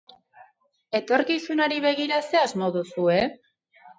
Etorkizunari begira zer asmo duzue?